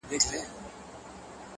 • !کابل مه ورانوئ,